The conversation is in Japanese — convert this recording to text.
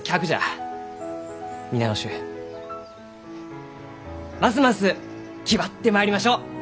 皆の衆ますます気張ってまいりましょう！